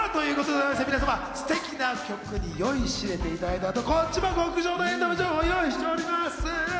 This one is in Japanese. さぁ皆さん、ステキな曲に酔いしれていただいた後は、こちらも極上のエンタメをご用意しております。